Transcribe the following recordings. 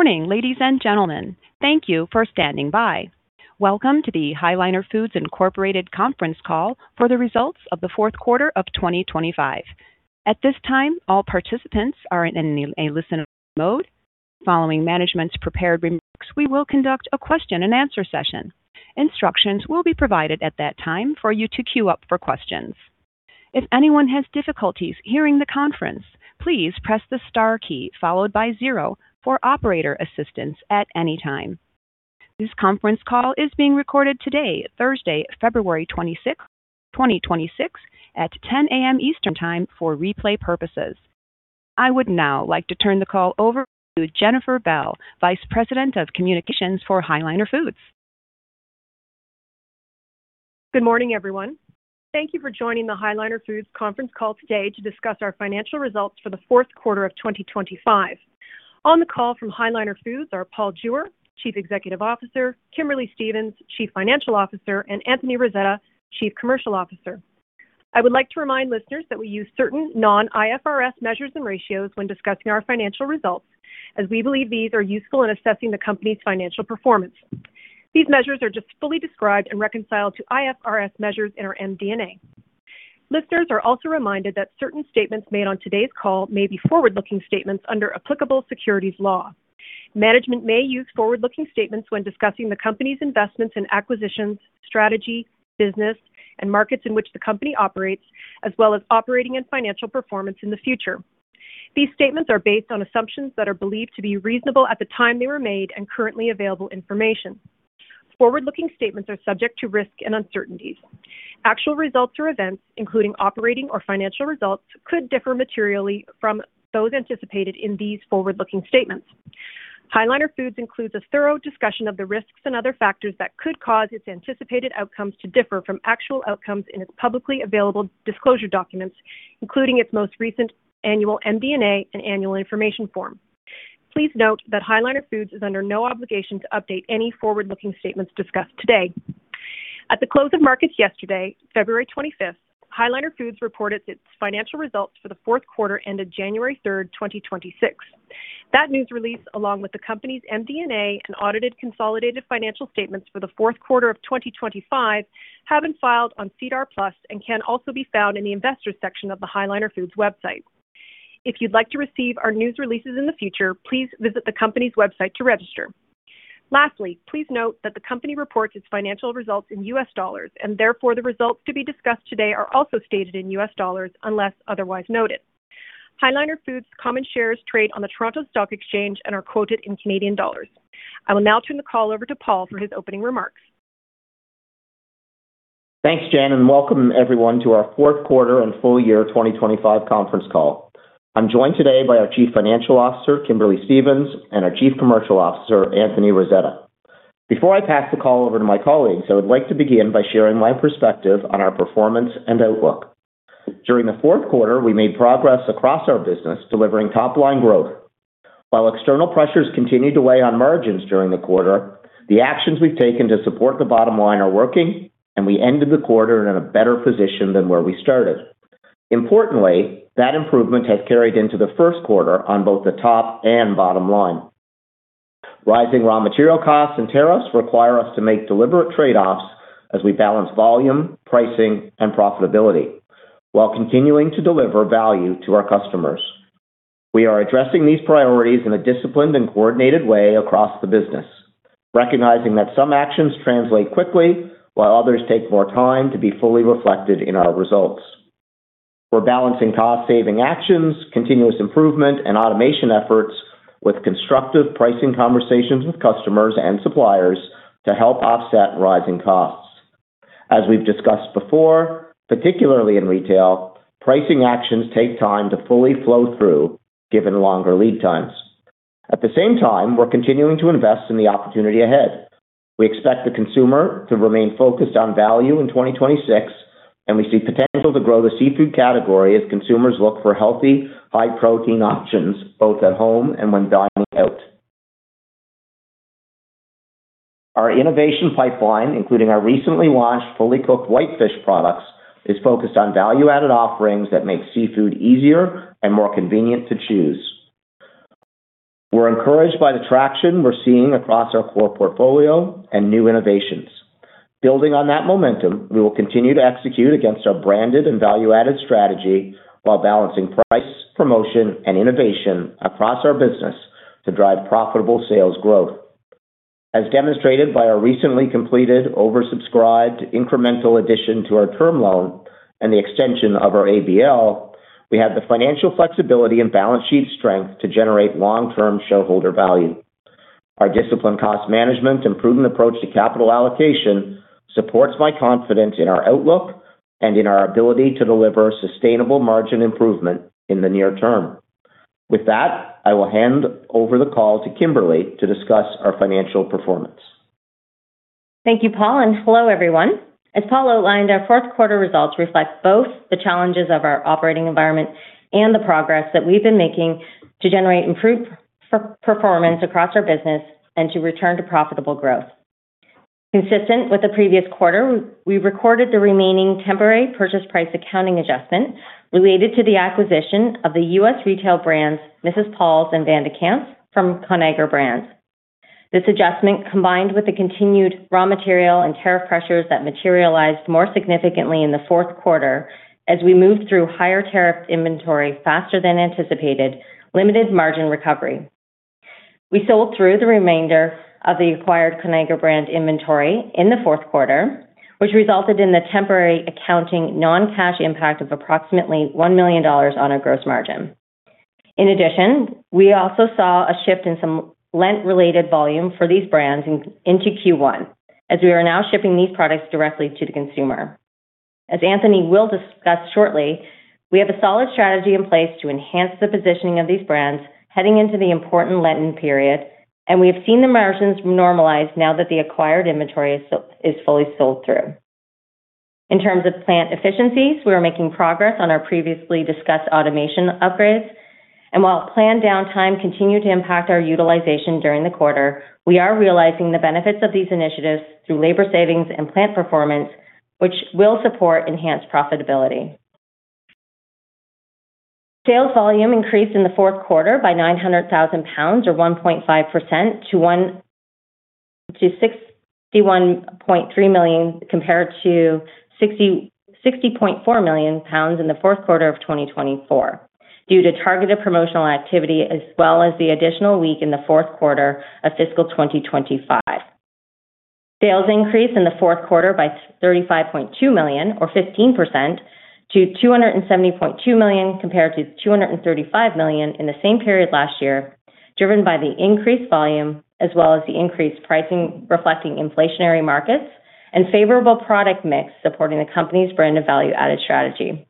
Good morning, ladies and gentlemen. Thank you for standing by. Welcome to the High Liner Foods Incorporated conference call for the results of the fourth quarter of 2025. At this time, all participants are in a listen-only mode. Following management's prepared remarks, we will conduct a question-and-answer session. Instructions will be provided at that time for you to queue up for questions. If anyone has difficulties hearing the conference, please press the star key followed by zero for operator assistance at any time. This conference call is being recorded today, Thursday, February 26th, 2026, at 10:00 A.M. Eastern Time for replay purposes. I would now like to turn the call over to Jennifer Bell, Vice President of Communications for High Liner Foods. Good morning, everyone. Thank you for joining the High Liner Foods conference call today to discuss our financial results for the fourth quarter of 2025. On the call from High Liner Foods are Paul Jewer, Chief Executive Officer, Kimberly Stephens, Chief Financial Officer, and Anthony Rasetta, Chief Commercial Officer. I would like to remind listeners that we use certain non-IFRS measures and ratios when discussing our financial results, as we believe these are useful in assessing the company's financial performance. These measures are just fully described and reconciled to IFRS measures in our MD&A. Listeners are also reminded that certain statements made on today's call may be forward-looking statements under applicable securities law. Management may use forward-looking statements when discussing the company's investments and acquisitions, strategy, business, and markets in which the company operates, as well as operating and financial performance in the future. These statements are based on assumptions that are believed to be reasonable at the time they were made and currently available information. Forward-looking statements are subject to risk and uncertainties. Actual results or events, including operating or financial results, could differ materially from those anticipated in these forward-looking statements. High Liner Foods includes a thorough discussion of the risks and other factors that could cause its anticipated outcomes to differ from actual outcomes in its publicly available disclosure documents, including its most recent annual MD&A and annual information form. Please note that High Liner Foods is under no obligation to update any forward-looking statements discussed today. At the close of markets yesterday, February 25th, High Liner Foods reported its financial results for the fourth quarter, ended January 3rd, 2026. That news release, along with the company's MD&A and audited consolidated financial statements for the fourth quarter of 2025, have been filed on SEDAR+ and can also be found in the investors section of the High Liner Foods website. If you'd like to receive our news releases in the future, please visit the company's website to register. Lastly, please note that the company reports its financial results in US dollars, and therefore the results to be discussed today are also stated in US dollars, unless otherwise noted. High Liner Foods common shares trade on the Toronto Stock Exchange and are quoted in Canadian dollars. I will now turn the call over to Paul for his opening remarks. Thanks, Jen, welcome everyone to our 4th quarter and full year 2025 conference call. I'm joined today by our Chief Financial Officer, Kimberly Stephens, and our Chief Commercial Officer, Anthony Rasetta. Before I pass the call over to my colleagues, I would like to begin by sharing my perspective on our performance and outlook. During the 4th quarter, we made progress across our business, delivering top-line growth. While external pressures continued to weigh on margins during the quarter, the actions we've taken to support the bottom line are working, and we ended the quarter in a better position than where we started. Importantly, that improvement has carried into the 1st quarter on both the top and bottom line. Rising raw material costs and tariffs require us to make deliberate trade-offs as we balance volume, pricing, and profitability while continuing to deliver value to our customers. We are addressing these priorities in a disciplined and coordinated way across the business, recognizing that some actions translate quickly, while others take more time to be fully reflected in our results. We're balancing cost-saving actions, continuous improvement, and automation efforts with constructive pricing conversations with customers and suppliers to help offset rising costs. As we've discussed before, particularly in retail, pricing actions take time to fully flow through given longer lead times. At the same time, we're continuing to invest in the opportunity ahead. We expect the consumer to remain focused on value in 2026, and we see potential to grow the seafood category as consumers look for healthy, high-protein options both at home and when dining out. Our innovation pipeline, including our recently launched fully cooked whitefish products, is focused on value-added offerings that make seafood easier and more convenient to choose. We're encouraged by the traction we're seeing across our core portfolio and new innovations. Building on that momentum, we will continue to execute against our branded and value-added strategy while balancing price, promotion, and innovation across our business to drive profitable sales growth. As demonstrated by our recently completed oversubscribed incremental addition to our term loan and the extension of our ABL, we have the financial flexibility and balance sheet strength to generate long-term shareholder value. Our disciplined cost management and prudent approach to capital allocation supports my confidence in our outlook and in our ability to deliver sustainable margin improvement in the near term. With that, I will hand over the call to Kimberly to discuss our financial performance. Thank you, Paul. Hello, everyone. As Paul outlined, our fourth quarter results reflect both the challenges of our operating environment and the progress that we've been making to generate improved performance across our business and to return to profitable growth. Consistent with the previous quarter, we recorded the remaining temporary purchase price accounting adjustment related to the acquisition of the U.S. retail brands, Mrs. Paul's and Van de Kamp's, from Conagra Brands. This adjustment, combined with the continued raw material and tariff pressures that materialized more significantly in the fourth quarter as we moved through higher tariff inventory faster than anticipated, limited margin recovery. We sold through the remainder of the acquired Conagra Brands inventory in the fourth quarter, which resulted in the temporary accounting non-cash impact of approximately $1 million on our gross margin. In addition, we also saw a shift in some Lent-related volume for these brands into Q1, as we are now shipping these products directly to the consumer. As Anthony will discuss shortly, we have a solid strategy in place to enhance the positioning of these brands heading into the important Lent period. We have seen the margins normalize now that the acquired inventory is fully sold through. In terms of plant efficiencies, we are making progress on our previously discussed automation upgrades, while planned downtime continued to impact our utilization during the quarter, we are realizing the benefits of these initiatives through labor savings and plant performance, which will support enhanced profitability. Sales volume increased in the fourth quarter by 900,000 pounds, or 1.5%, to 61.3 million, compared to 60.4 million pounds in the fourth quarter of 2024, due to targeted promotional activity as well as the additional week in the fourth quarter of fiscal 2025. Sales increased in the fourth quarter by $35.2 million, or 15%, to $270.2 million, compared to $235 million in the same period last year, driven by the increased volume as well as the increased pricing, reflecting inflationary markets and favorable product mix, supporting the company's brand of value-added strategy.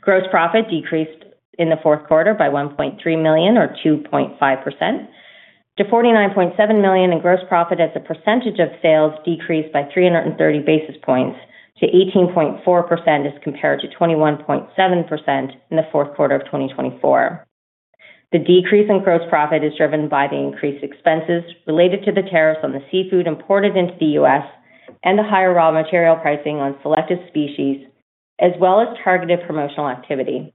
Gross profit decreased in the fourth quarter by $1.3 million, or 2.5%, to $49.7 million, and gross profit as a percentage of sales decreased by 330 basis points to 18.4% as compared to 21.7% in the fourth quarter of 2024. The decrease in gross profit is driven by the increased expenses related to the tariffs on the seafood imported into the U.S. and the higher raw material pricing on selective species, as well as targeted promotional activity.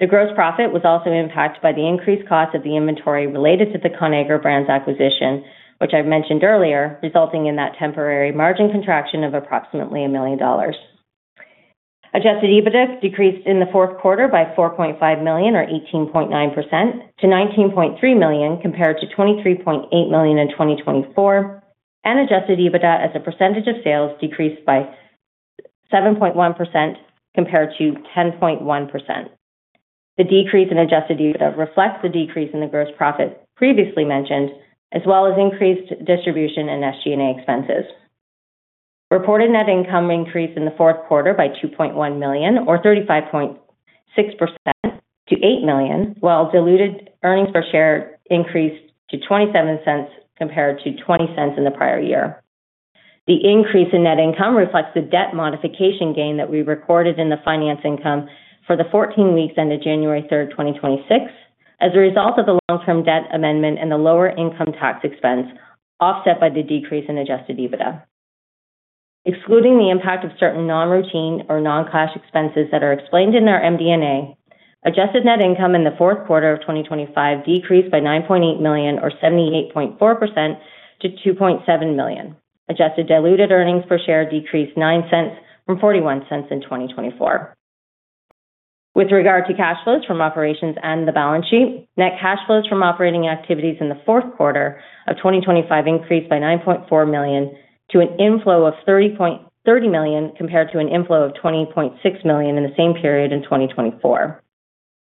The gross profit was also impacted by the increased cost of the inventory related to the Conagra Brands acquisition, which I've mentioned earlier, resulting in that temporary margin contraction of approximately $1 million. Adjusted EBITDA decreased in the fourth quarter by $4.5 million or 18.9%, to $19.3 million, compared to $23.8 million in 2024, and Adjusted EBITDA as a percentage of sales decreased by 7.1% compared to 10.1%. The decrease in Adjusted EBITDA reflects the decrease in the gross profit previously mentioned, as well as increased distribution and SG&A expenses. Reported net income increased in the fourth quarter by $2.1 million, or 35.6%, to $8 million, while diluted earnings per share increased to $0.27 compared to $0.20 in the prior year. The increase in net income reflects the debt modification gain that we recorded in the finance income for the 14 weeks ended January 3, 2026, as a result of the long-term debt amendment and the lower income tax expense, offset by the decrease in Adjusted EBITDA. Excluding the impact of certain non-routine or non-cash expenses that are explained in our MD&A, adjusted net income in the fourth quarter of 2025 decreased by $9.8 million, or 78.4%, to $2.7 million. Adjusted diluted earnings per share decreased $0.09 from $0.41 in 2024. With regard to cash flows from operations and the balance sheet, net cash flows from operating activities in the fourth quarter of 2025 increased by $9.4 million to an inflow of $30 million, compared to an inflow of $20.6 million in the same period in 2024.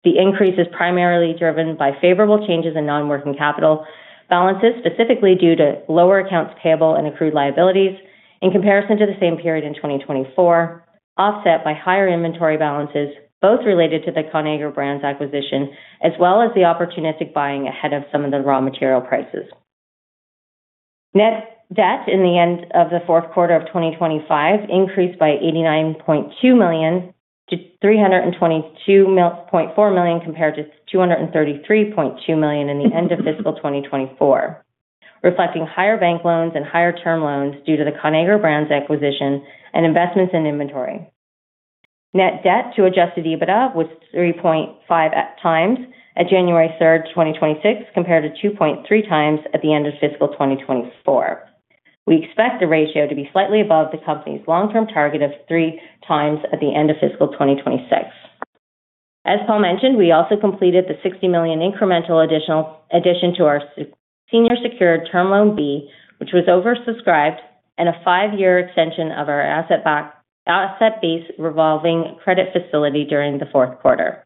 The increase is primarily driven by favorable changes in non-working capital balances, specifically due to lower accounts payable and accrued liabilities in comparison to the same period in 2024, offset by higher inventory balances, both related to the Conagra Brands acquisition as well as the opportunistic buying ahead of some of the raw material prices. Net debt in the end of the fourth quarter of 2025 increased by $89.2 million to $322.4 million, compared to $233.2 million in the end of fiscal 2024, reflecting higher bank loans and higher term loans due to the Conagra Brands acquisition and investments in inventory. Net debt to Adjusted EBITDA was 3.5x at January 3rd, 2026, compared to 2.3x at the end of fiscal 2024. We expect the ratio to be slightly above the company's long-term target of 3x at the end of fiscal 2026. As Paul mentioned, we also completed the $60 million incremental addition to our senior secured Term Loan B, which was oversubscribed, and a five-year extension of our asset base revolving credit facility during the fourth quarter.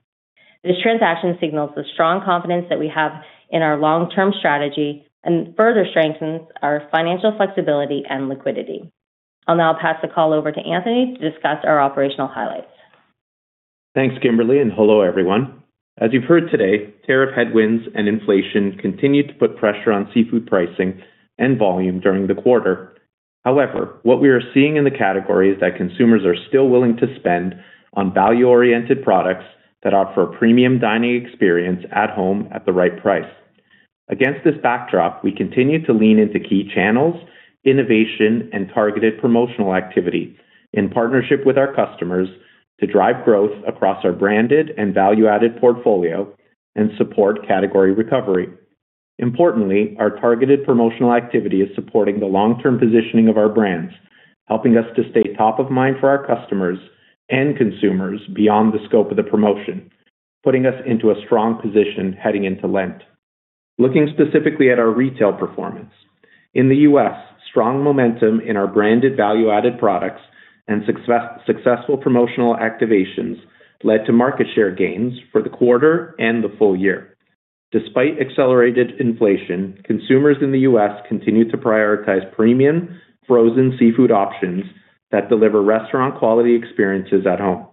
This transaction signals the strong confidence that we have in our long-term strategy and further strengthens our financial flexibility and liquidity. I'll now pass the call over to Anthony to discuss our operational highlights. Thanks, Kimberly. Hello, everyone. As you've heard today, tariff headwinds and inflation continued to put pressure on seafood pricing and volume during the quarter. However, what we are seeing in the category is that consumers are still willing to spend on value-oriented products that offer a premium dining experience at home at the right price. Against this backdrop, we continue to lean into key channels, innovation, and targeted promotional activity in partnership with our customers to drive growth across our branded and value-added portfolio and support category recovery. Importantly, our targeted promotional activity is supporting the long-term positioning of our brands, helping us to stay top of mind for our customers and consumers beyond the scope of the promotion, putting us into a strong position heading into Lent. Looking specifically at our retail performance. In the U.S., strong momentum in our branded value-added products and successful promotional activations led to market share gains for the quarter and the full year. Despite accelerated inflation, consumers in the U.S. continued to prioritize premium frozen seafood options that deliver restaurant quality experiences at home.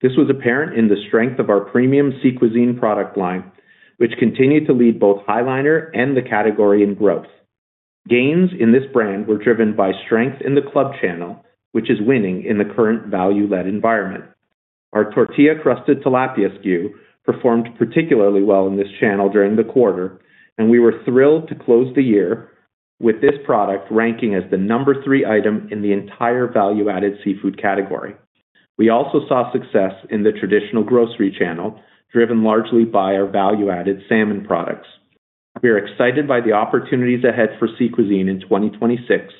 This was apparent in the strength of our premium Sea Cuisine product line, which continued to lead both High Liner and the category in growth. Gains in this brand were driven by strength in the club channel, which is winning in the current value-led environment. Our tortilla-crusted tilapia SKU performed particularly well in this channel during the quarter, we were thrilled to close the year with this product ranking as the number three item in the entire value-added seafood category. We also saw success in the traditional grocery channel, driven largely by our value-added salmon products. We are excited by the opportunities ahead for Sea Cuisine in 2026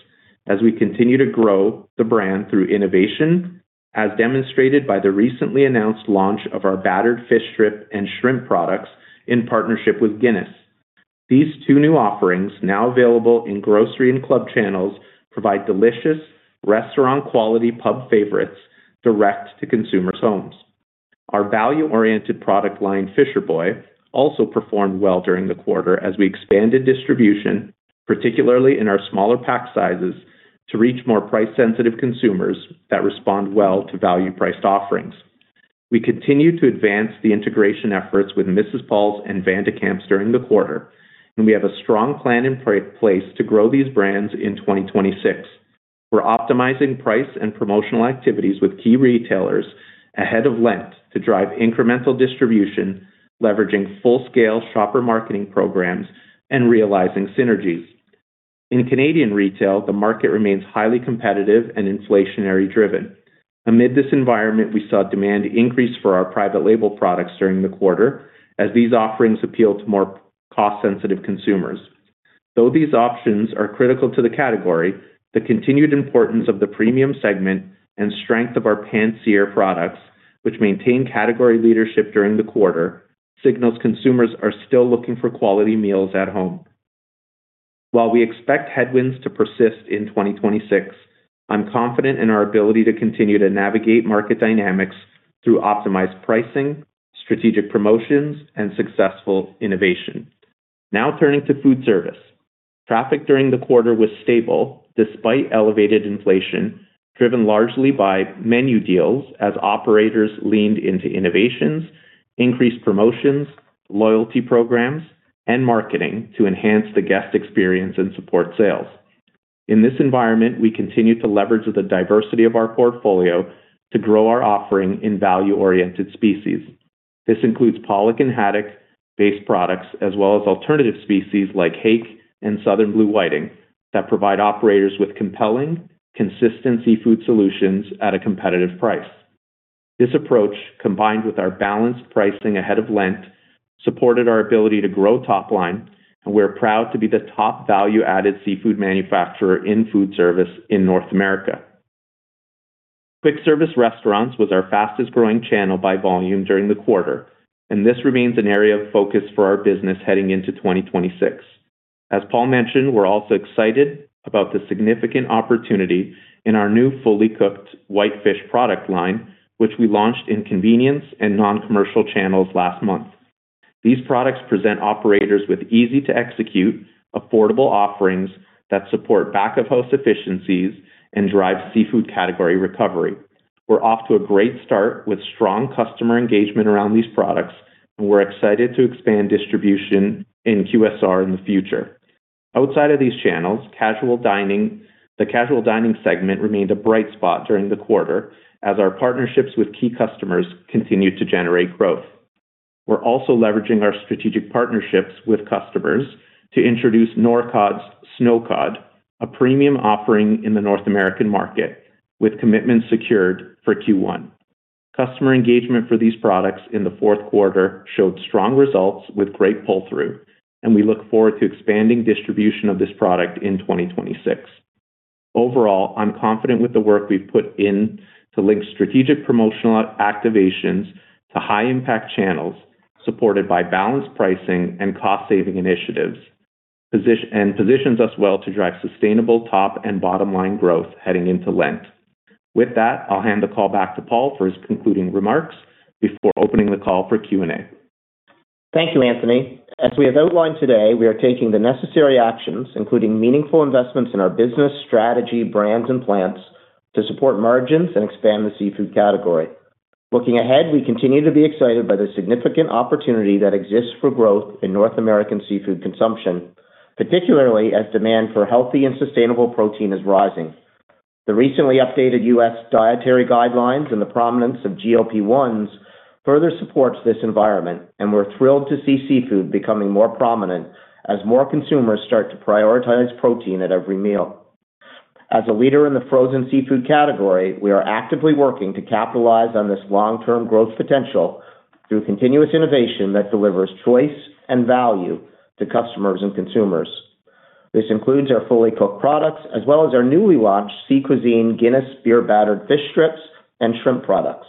as we continue to grow the brand through innovation, as demonstrated by the recently announced launch of our battered fish strip and shrimp products in partnership with Guinness. These two new offerings, now available in grocery and club channels, provide delicious restaurant quality pub favorites direct to consumers' homes. Our value-oriented product line, Fisher Boy, also performed well during the quarter as we expanded distribution, particularly in our smaller pack sizes, to reach more price-sensitive consumers that respond well to value-priced offerings. We continue to advance the integration efforts with Mrs. Paul's and Van de Kamp's during the quarter, and we have a strong plan in place to grow these brands in 2026. We're optimizing price and promotional activities with key retailers ahead of Lent to drive incremental distribution, leveraging full-scale shopper marketing programs and realizing synergies. In Canadian retail, the market remains highly competitive and inflationary driven. Amid this environment, we saw demand increase for our private label products during the quarter as these offerings appeal to more cost-sensitive consumers. Though these options are critical to the category, the continued importance of the premium segment and strength of our pan-sear products, which maintain category leadership during the quarter, signals consumers are still looking for quality meals at home. While we expect headwinds to persist in 2026, I'm confident in our ability to continue to navigate market dynamics through optimized pricing, strategic promotions, and successful innovation. Turning to food service. Traffic during the quarter was stable despite elevated inflation, driven largely by menu deals as operators leaned into innovations, increased promotions, loyalty programs, and marketing to enhance the guest experience and support sales. In this environment, we continued to leverage the diversity of our portfolio to grow our offering in value-oriented species. This includes pollock and haddock-based products, as well as alternative species like hake and southern blue whiting, that provide operators with compelling, consistent seafood solutions at a competitive price. This approach, combined with our balanced pricing ahead of Lent, supported our ability to grow top line, and we're proud to be the top value-added seafood manufacturer in food service in North America. Quick service restaurants was our fastest growing channel by volume during the quarter, and this remains an area of focus for our business heading into 2026. As Paul mentioned, we're also excited about the significant opportunity in our new fully cooked whitefish product line, which we launched in convenience and non-commercial channels last month. These products present operators with easy-to-execute, affordable offerings that support back-of-house efficiencies and drive seafood category recovery. We're off to a great start with strong customer engagement around these products, and we're excited to expand distribution in QSR in the future. Outside of these channels, the casual dining segment remained a bright spot during the quarter as our partnerships with key customers continued to generate growth. We're also leveraging our strategic partnerships with customers to introduce Norcod's Snow Cod, a premium offering in the North American market, with commitments secured for Q1. Customer engagement for these products in the fourth quarter showed strong results with great pull-through, and we look forward to expanding distribution of this product in 2026. Overall, I'm confident with the work we've put in to link strategic promotional activations to high-impact channels, supported by balanced pricing and cost-saving initiatives. Positions us well to drive sustainable top and bottom line growth heading into Lent. With that, I'll hand the call back to Paul for his concluding remarks before opening the call for Q&A. Thank you, Anthony. As we have outlined today, we are taking the necessary actions, including meaningful investments in our business strategy, brands, and plants, to support margins and expand the seafood category. Looking ahead, we continue to be excited by the significant opportunity that exists for growth in North American seafood consumption, particularly as demand for healthy and sustainable protein is rising. The recently updated U.S. Dietary Guidelines and the prominence of GLP-1s further supports this environment. We're thrilled to see seafood becoming more prominent as more consumers start to prioritize protein at every meal. As a leader in the frozen seafood category, we are actively working to capitalize on this long-term growth potential through continuous innovation that delivers choice and value to customers and consumers. This includes our fully cooked products as well as our newly launched Sea Cuisine Guinness beer-battered fish strips and shrimp products,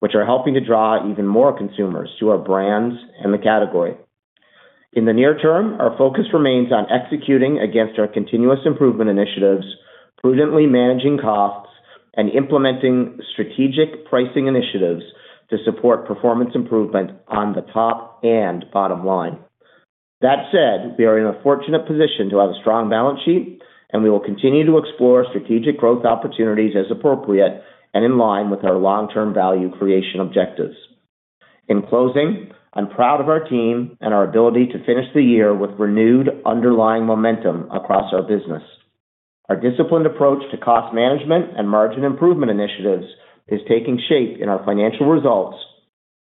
which are helping to draw even more consumers to our brands and the category. In the near term, our focus remains on executing against our continuous improvement initiatives, prudently managing costs, and implementing strategic pricing initiatives to support performance improvement on the top and bottom line. That said, we are in a fortunate position to have a strong balance sheet, and we will continue to explore strategic growth opportunities as appropriate and in line with our long-term value creation objectives. In closing, I'm proud of our team and our ability to finish the year with renewed underlying momentum across our business. Our disciplined approach to cost management and margin improvement initiatives is taking shape in our financial results,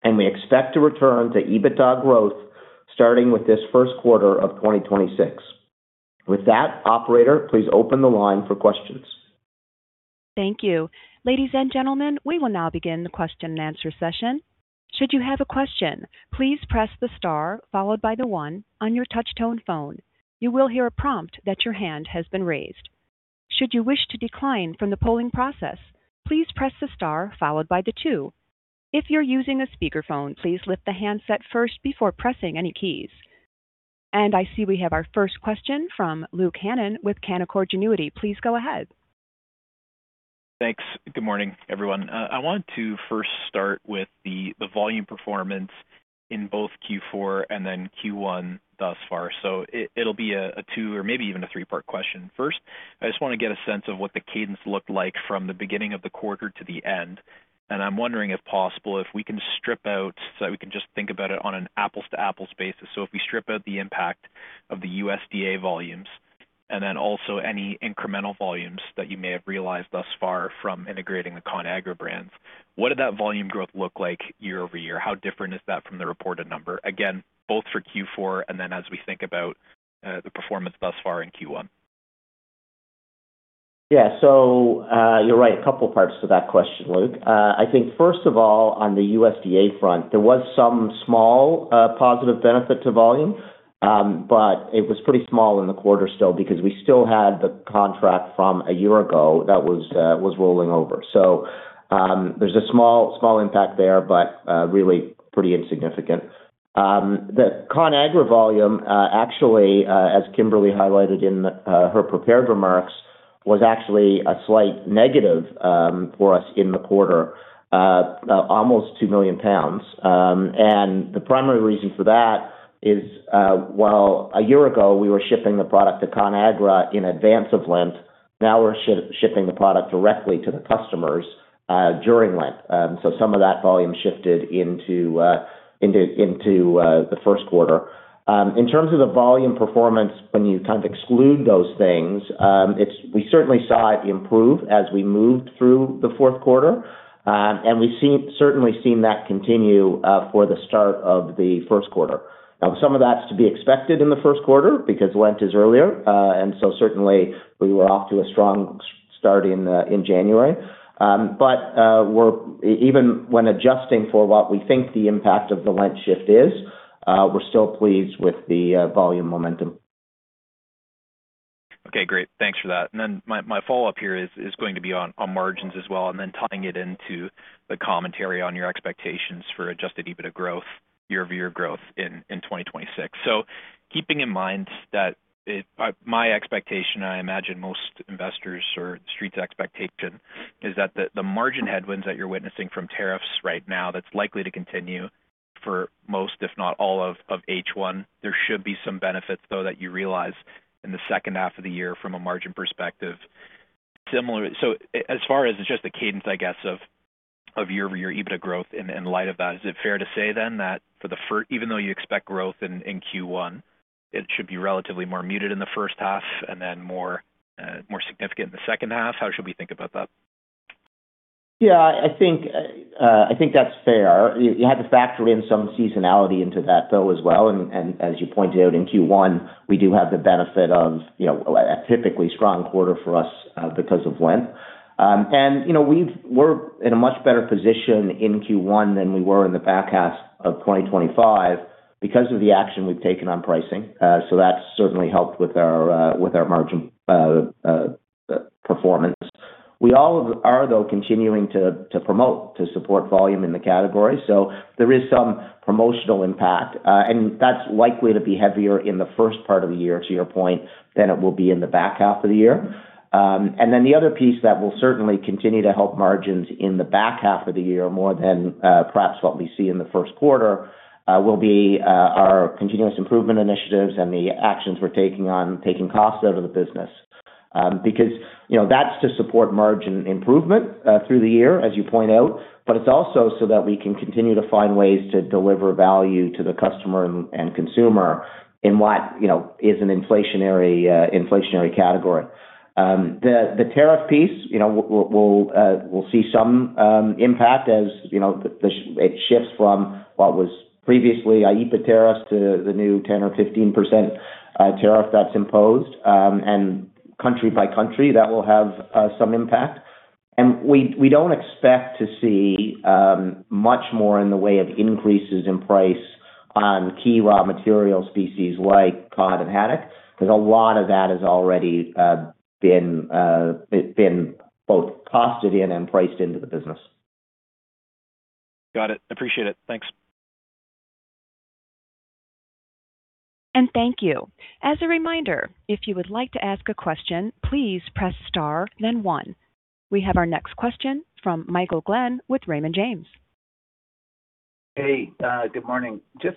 and we expect to return to EBITDA growth starting with this first quarter of 2026. With that, operator, please open the line for questions. Thank you. Ladies and gentlemen, we will now begin the question-and-answer session. Should you have a question, please press the star followed by the one on your touch tone phone. You will hear a prompt that your hand has been raised. Should you wish to decline from the polling process, please press the star followed by the two. If you're using a speakerphone, please lift the handset first before pressing any keys. I see we have our first question from Luke Hannan with Canaccord Genuity. Please go ahead. Thanks. Good morning, everyone. I want to first start with the volume performance in both Q4 and then Q1 thus far. It'll be a two or maybe even a three-part question. First, I just want to get a sense of what the cadence looked like from the beginning of the quarter to the end. I'm wondering, if possible, if we can strip out, we can just think about it on an apples-to-apples basis. If we strip out the impact of the USDA volumes and then also any incremental volumes that you may have realized thus far from integrating the Conagra Brands, what did that volume growth look like year-over-year? How different is that from the reported number? Again, both for Q4 and then as we think about, the performance thus far in Q1. You're right. A couple parts to that question, Luke Hannan. I think first of all, on the USDA front, there was some small positive benefit to volume, but it was pretty small in the quarter still, because we still had the contract from a year ago that was rolling over. There's a small impact there, but really pretty insignificant. The Conagra Brands volume actually, as Kimberly Stephens highlighted in her prepared remarks, was actually a slight negative for us in the quarter, almost 2 million pounds. The primary reason for that is, while a year ago we were shipping the product to Conagra Brands in advance of Lent, now we're shipping the product directly to the customers during Lent. Some of that volume shifted into the first quarter. In terms of the volume performance, when you kind of exclude those things, we certainly saw it improve as we moved through the fourth quarter, and we've seen, certainly seen that continue for the start of the first quarter. Some of that's to be expected in the first quarter because Lent is earlier, certainly we were off to a strong start in January. We're even when adjusting for what we think the impact of the Lent shift is, we're still pleased with the volume momentum. Okay, great. Thanks for that. My follow-up here is going to be on margins as well, and then tying it into the commentary on your expectations for Adjusted EBITDA growth, year-over-year growth in 2026. Keeping in mind that my expectation, I imagine most investors or street's expectation, is that the margin headwinds that you're witnessing from tariffs right now, that's likely to continue for most, if not all of H1. There should be some benefits, though, that you realize in the second half of the year from a margin perspective. As far as just the cadence, I guess, of year-over-year EBITDA growth in light of that, is it fair to say then, that even though you expect growth in Q1, it should be relatively more muted in the first half and then more significant in the second half? How should we think about that? Yeah, I think that's fair. You have to factor in some seasonality into that though, as well. As you pointed out, in Q1, we do have the benefit of, you know, a typically strong quarter for us because of Lent. You know, we're in a much better position in Q1 than we were in the back half of 2025 because of the action we've taken on pricing. That's certainly helped with our margin performance. We all are, though, continuing to promote, to support volume in the category, so there is some promotional impact, and that's likely to be heavier in the first part of the year, to your point, than it will be in the back half of the year. The other piece that will certainly continue to help margins in the back half of the year, more than perhaps what we see in the first quarter, will be our continuous improvement initiatives and the actions we're taking on taking costs out of the business. Because, you know, that's to support margin improvement through the year, as you point out, but it's also so that we can continue to find ways to deliver value to the customer and consumer in what, you know, is an inflationary category. The tariff piece, you know, we'll see some impact as, you know, it shifts from what was previously IEEPA tariffs to the new 10% or 15% tariff that's imposed. Country by country, that will have some impact. We don't expect to see much more in the way of increases in price on key raw material species like cod and haddock, because a lot of that has already been both costed in and priced into the business. Got it. Appreciate it. Thanks. Thank you. As a reminder, if you would like to ask a question, please press star then one. We have our next question from Michael Glen with Raymond James. Hey, good morning. Just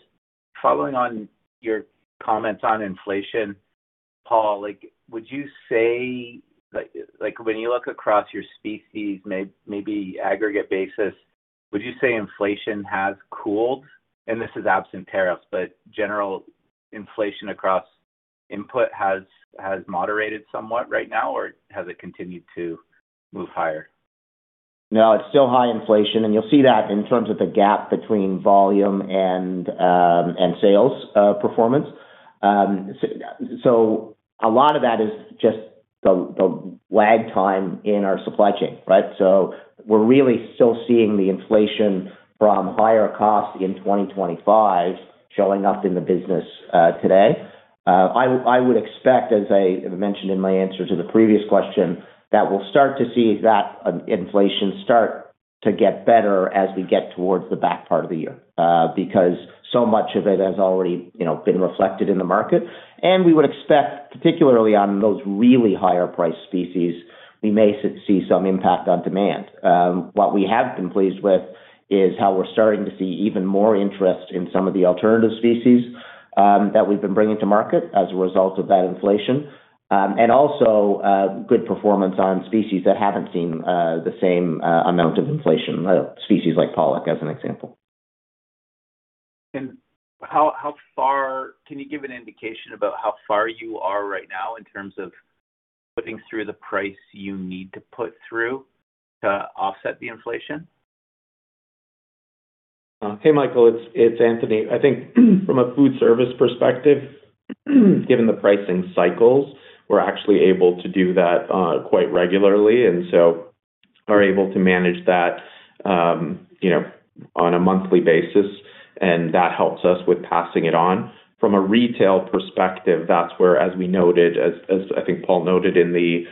following on your comments on inflation, Paul, like, would you say, like, when you look across your species, maybe aggregate basis, would you say inflation has cooled? This is absent tariffs, but general inflation across input has moderated somewhat right now, or has it continued to move higher? It's still high inflation, and you'll see that in terms of the gap between volume and sales performance. A lot of that is just the lag time in our supply chain, right? We're really still seeing the inflation from higher costs in 2025 showing up in the business today. I would expect, as I mentioned in my answer to the previous question, that we'll start to see that inflation start to get better as we get towards the back part of the year, because so much of it has already, you know, been reflected in the market. We would expect, particularly on those really higher priced species, we may see some impact on demand. What we have been pleased with is how we're starting to see even more interest in some of the alternative species, that we've been bringing to market as a result of that inflation. Also, good performance on species that haven't seen the same amount of inflation, species like pollock, as an example. How far can you give an indication about how far you are right now in terms of putting through the price you need to put through to offset the inflation? Hey, Michael, it's Anthony. I think from a food service perspective, given the pricing cycles, we're actually able to do that quite regularly, and so are able to manage that, you know, on a monthly basis, and that helps us with passing it on. From a retail perspective, that's where, as we noted, as I think Paul noted in the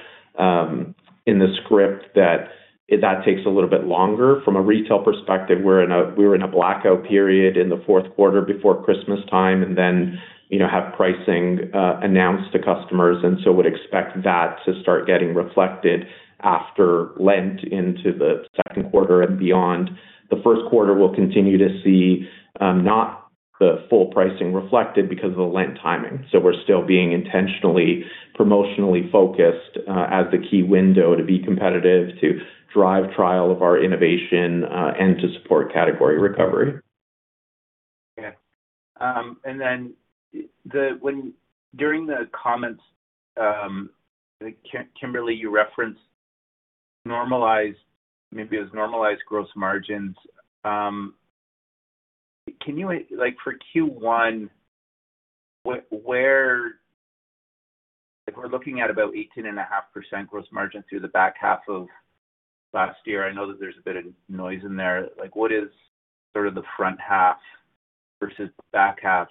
script, that takes a little bit longer. From a retail perspective, we were in a blackout period in the fourth quarter before Christmas time and then, you know, have pricing announced to customers, and so would expect that to start getting reflected after Lent into the second quarter and beyond. The first quarter will continue to see not the full pricing reflected because of the Lent timing. We're still being intentionally, promotionally focused, as the key window to be competitive, to drive trial of our innovation, and to support category recovery. The, when, during the comments, Kimberly, you referenced normalized, maybe it was normalized gross margins. Can you like, for Q1, what, if we're looking at about 18.5% gross margin through the back half of last year, I know that there's a bit of noise in there, like, what is sort of the front half versus back half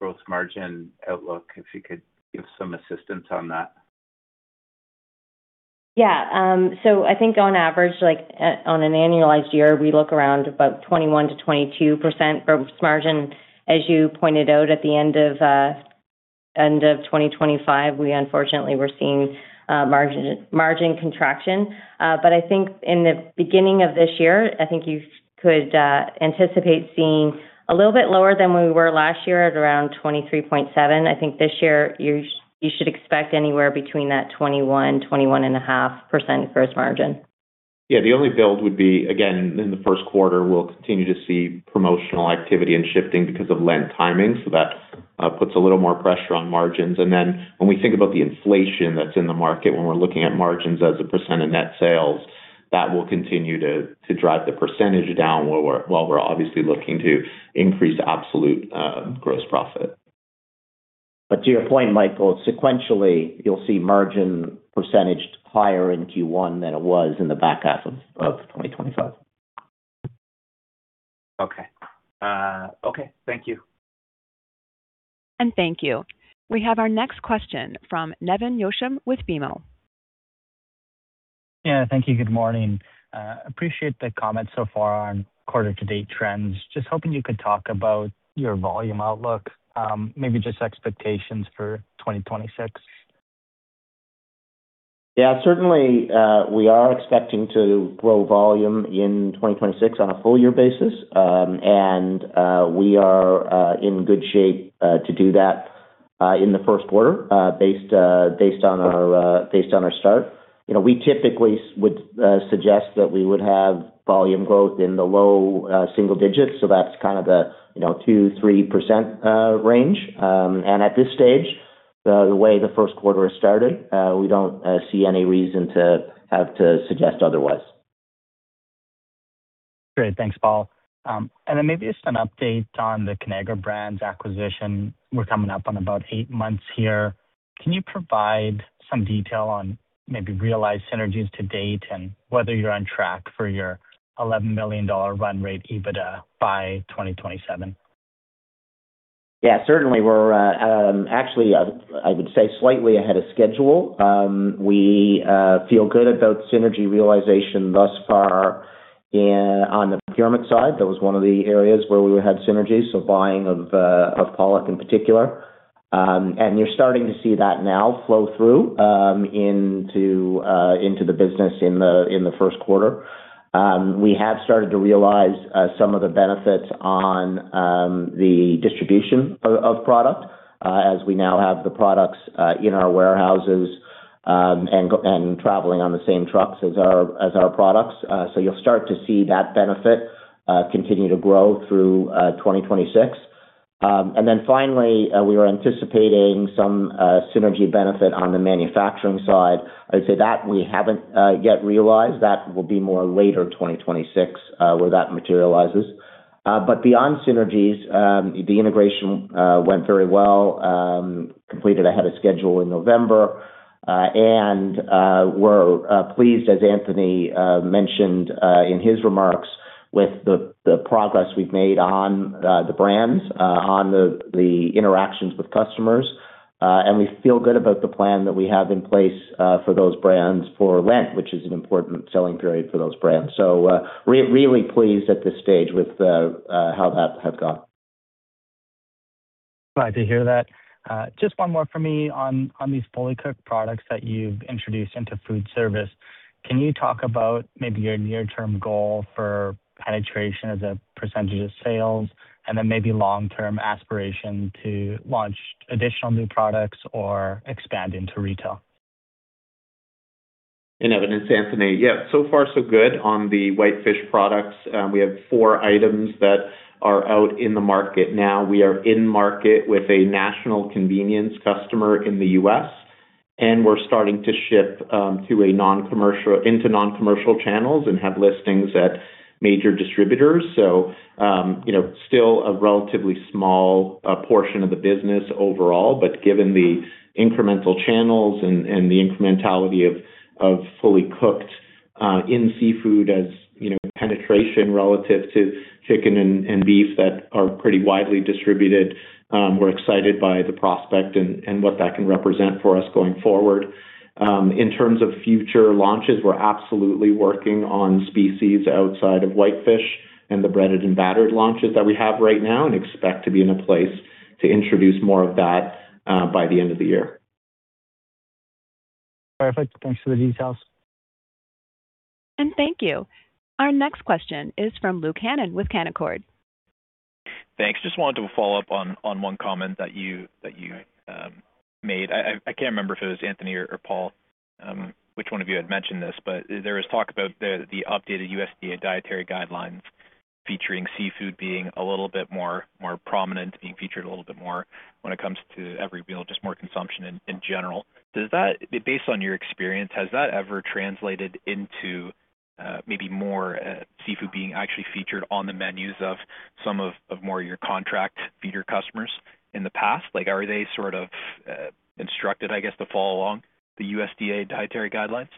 gross margin outlook? If you could give some assistance on that. I think on average, like, on an annualized year, we look around about 21%-22% gross margin. As you pointed out, at the end of 2025, we unfortunately were seeing margin contraction. I think in the beginning of this year, I think you could anticipate seeing a little bit lower than we were last year at around 23.7%. I think this year you should expect anywhere between that 21%-21.5% gross margin. The only build would be, again, in the first quarter, we'll continue to see promotional activity and shifting because of Lent timing. That puts a little more pressure on margins. When we think about the inflation that's in the market, when we're looking at margins as a % of net sales, that will continue to drive the percentage down, while we're obviously looking to increase absolute gross profit. To your point, Michael, sequentially, you'll see margin percentage higher in Q1 than it was in the back half of 2025. Okay. Okay, thank you. Thank you. We have our next question from Nevan Yochim with BMO. Yeah, thank you. Good morning. Appreciate the comments so far on quarter to date trends. Just hoping you could talk about your volume outlook, maybe just expectations for 2026. Yeah, certainly, we are expecting to grow volume in 2026 on a full year basis. We are in good shape to do that in the first quarter, based on our start. You know, we typically would suggest that we would have volume growth in the low single digits. That's kind of the, you know, 2%-3% range. At this stage, the way the first quarter has started, we don't see any reason to have to suggest otherwise. Great. Thanks, Paul. Maybe just an update on the Conagra Brands acquisition. We're coming up on about eight months here. Can you provide some detail on maybe realized synergies to date and whether you're on track for your $11 million run rate EBITDA by 2027? Yeah, certainly. We're actually, I would say slightly ahead of schedule. We feel good about synergy realization thus far. On the procurement side, that was one of the areas where we would have synergies, so buying of pollock in particular. You're starting to see that now flow through into the business in the first quarter. We have started to realize some of the benefits on the distribution of product as we now have the products in our warehouses and traveling on the same trucks as our products. You'll start to see that benefit continue to grow through 2026. Finally, we were anticipating some synergy benefit on the manufacturing side. I'd say that we haven't, yet realized. That will be more later 2026, where that materializes. Beyond synergies, the integration went very well, completed ahead of schedule in November. We're pleased, as Anthony mentioned, in his remarks, with the progress we've made on the brands, on the interactions with customers. We feel good about the plan that we have in place, for those brands for Lent, which is an important selling period for those brands. Really pleased at this stage with how that has gone. Glad to hear that. Just one more for me on these fully cooked products that you've introduced into food service. Can you talk about maybe your near-term goal for penetration as a percentage of sales, then maybe long-term aspiration to launch additional new products or expand into retail? In evidence, Anthony. Yeah, so far so good on the whitefish products. We have four items that are out in the market now. We are in market with a national convenience customer in the U.S., and we're starting to ship to non-commercial channels and have listings at major distributors. You know, still a relatively small portion of the business overall, but given the incremental channels and the incrementality of fully cooked in seafood, as you know, penetration relative to chicken and beef that are pretty widely distributed, we're excited by the prospect and what that can represent for us going forward. In terms of future launches, we're absolutely working on species outside of whitefish and the breaded and battered launches that we have right now, and expect to be in a place to introduce more of that by the end of the year. Perfect. Thanks for the details. Thank you. Our next question is from Luke Hannan with Canaccord. Thanks. Just wanted to follow up on one comment that you made. I can't remember if it was Anthony or Paul, which one of you had mentioned this, but there was talk about the updated USDA Dietary Guidelines, featuring seafood being a little bit more prominent, being featured a little bit more when it comes to every meal, just more consumption in general. Does that Based on your experience, has that ever translated into maybe more seafood being actually featured on the menus of some of more of your contract feeder customers in the past? Like, are they sort of instructed, I guess, to follow along the USDA Dietary Guidelines?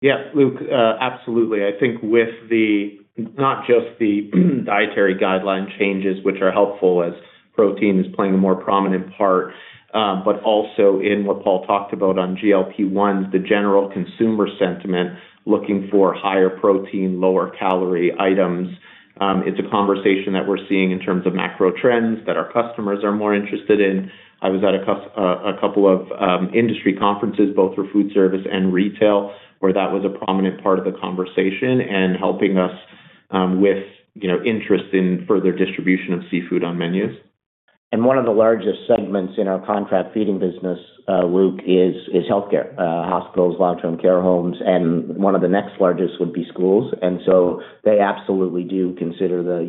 Yes, Luke, absolutely. I think with the not just the dietary guideline changes, which are helpful as protein is playing a more prominent part, also in what Paul talked about on GLP-1, the general consumer sentiment, looking for higher protein, lower calorie items. It's a conversation that we're seeing in terms of macro trends that our customers are more interested in. I was at a couple of industry conferences, both for food service and retail, where that was a prominent part of the conversation and helping us, you know, with interest in further distribution of seafood on menus. One of the largest segments in our contract feeding business, Luke, is healthcare, hospitals, long-term care homes, and one of the next largest would be schools. They absolutely do consider the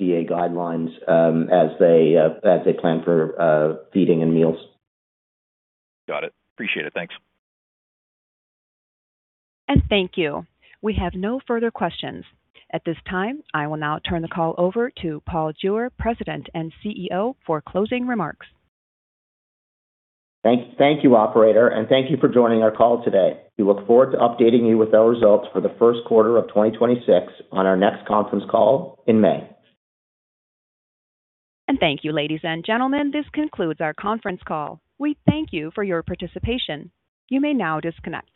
USDA guidelines, as they plan for, feeding and meals. Got it. Appreciate it. Thanks. Thank you. We have no further questions. At this time, I will now turn the call over to Paul Jewer, President and CEO, for closing remarks. Thank you, operator. Thank you for joining our call today. We look forward to updating you with our results for the first quarter of 2026 on our next conference call in May. Thank you, ladies and gentlemen. This concludes our conference call. We thank you for your participation. You may now disconnect.